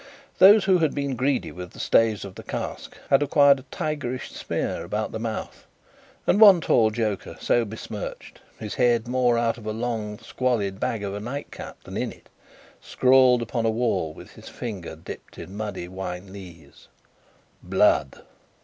Those who had been greedy with the staves of the cask, had acquired a tigerish smear about the mouth; and one tall joker so besmirched, his head more out of a long squalid bag of a nightcap than in it, scrawled upon a wall with his finger dipped in muddy wine lees BLOOD.